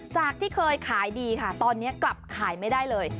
จากที่เคยขายดีค่ะตอนนี้กลับขายไม่ได้เลย